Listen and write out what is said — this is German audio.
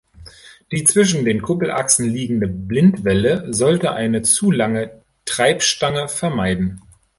Die zwischen den Kuppelachsen liegende Blindwelle sollte eine zu lange Treibstange vermeiden.